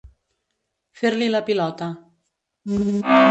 Fer-li la pilota.